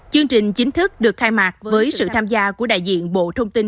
chương trình chính thức được khai mạc với sự tham gia của đại diện bộ thông tin